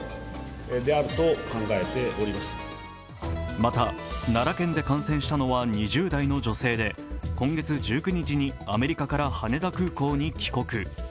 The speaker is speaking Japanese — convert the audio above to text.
また、奈良県で感染したのは２０代の女性で今月１９日にアメリカから羽田空港に帰国。